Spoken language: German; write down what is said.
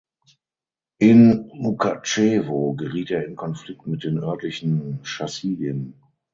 In Mukatschewo geriet er in Konflikt mit den örtlichen Chassidim.